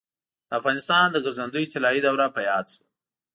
د افغانستان د ګرځندوی طلایي دوره په یاد شوه.